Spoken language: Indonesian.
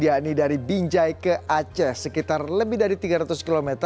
yang dia ini dari binjai ke aceh sekitar lebih dari tiga ratus km